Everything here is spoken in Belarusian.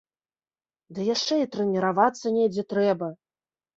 Ды яшчэ і трэніравацца недзе трэба!